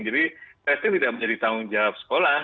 jadi testing tidak menjadi tanggung jawab sekolah